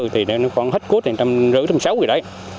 thì nó còn hết cốt một trăm năm mươi một trăm sáu mươi rồi đấy